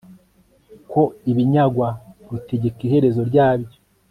ku ibinyagwa rutegeka iherezo ryabyo